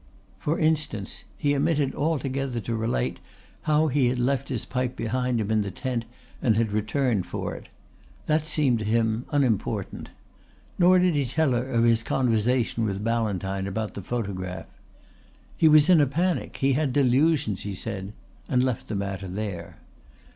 For instance he omitted altogether to relate how he had left his pipe behind in the tent and had returned for it. That seemed to him unimportant. Nor did he tell her of his conversation with Ballantyne about the photograph. "He was in a panic. He had delusions," he said and left the matter there.